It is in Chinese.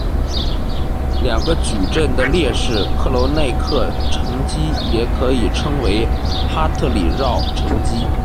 两个矩阵的列式克罗内克乘积也可以称为哈特里饶乘积。